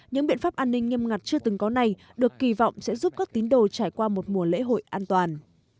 những biện pháp an ninh nghiêm ngặt chưa từng có này được kỳ vọng sẽ giúp các tín đồ trải qua một mùa lễ hội an toàn